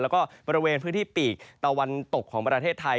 แล้วก็บริเวณพื้นที่ปีกตะวันตกของประเทศไทย